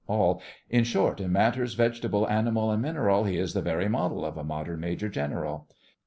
ALL: In short, in matters vegetable, animal, and mineral, He is the very model of a modern Major General.